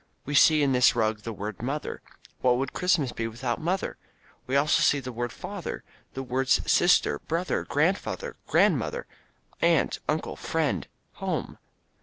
We see in this rug the word "mother." What would Christmas be without mother! We see also the word father, and the words sister, brother, grandfather, grandmother, aunt, uncle, friend, home.